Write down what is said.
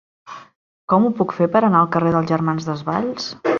Com ho puc fer per anar al carrer dels Germans Desvalls?